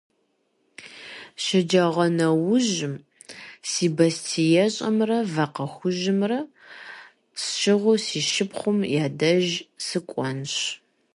Шэджагъуэнэужьым си бостеищӏэмрэ вакъэ хужьымрэ сщыгъыу си шыпхъум я деж сыкӏуэнщ.